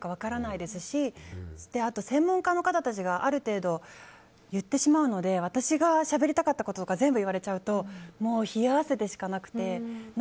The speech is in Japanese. あと専門家の方たちがある程度言ってしまうので私がしゃべりたかったこととかを全部言われちゃうともう冷や汗でしかなくて。